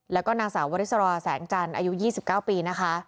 แล้วก็นางสาววริสราแสงจันทร์อายุ๒๙ปีนะคะ